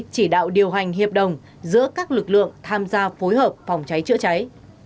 chỉ đạo điều hành hiệp đồng giữa các lực lượng tham gia phối hợp phòng cháy chữa cháy